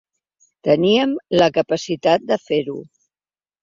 Teníem la capacitat de fer-ho.